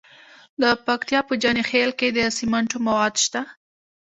د پکتیا په جاني خیل کې د سمنټو مواد شته.